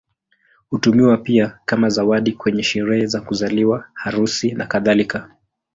Hutumiwa pia kama zawadi kwenye sherehe za kuzaliwa, harusi, nakadhalika.